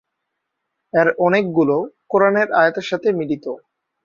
এর অনেকগুলো কুরআনের আয়াতের সাথে মিলিত।